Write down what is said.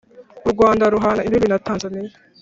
u rwanda ruhana imbibi na tanzania